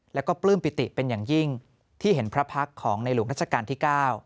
แล้วก็ปลื้มปิติเป็นอย่างยิ่งที่เห็นพระพักษ์ของในหลวงรัชกาลที่๙